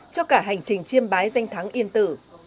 cho cả hành trình chiêm bái danh thắng yên tử